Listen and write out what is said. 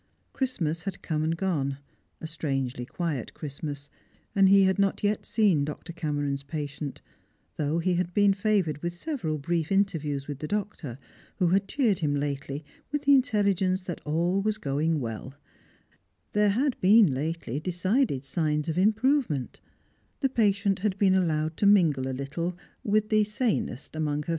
Christ mas had come and gone — a strangely quiet Christmas — and he had not yet seen Dr. Cameron's patient, though he had been favoured with several brief interviews with the doctor, who had cheered him lately with the int< Uigence that all was going well ; there had been lately decide^ t^gns of improvement ; the patient had been allowed to mingle 8 little with the sanest among her 366 Strangers and Pilgrims.